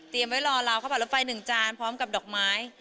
เตรียมไว้รอเราเข้าผัดรสไฟหนึ่งจานพร้อมกับดอกไม้